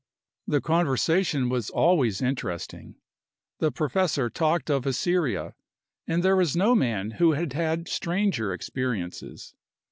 The conversation was always interesting. The professor talked of Assyria, and there was no man who had had stranger experiences.